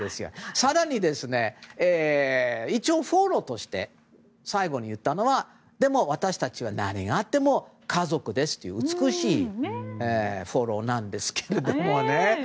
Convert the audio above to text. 更に、一応フォローとして最後に言ったのはでも、私たちは何があっても家族ですと美しいフォローなんですけれどもね。